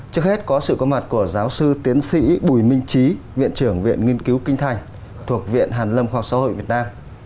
trước hết có sự có mặt của giáo sư tiến sĩ bùi minh trí viện trưởng viện nghiên cứu kinh thành thuộc viện hàn lâm khoa học xã hội việt nam